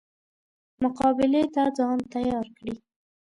مقابلې ته ځان تیار کړي.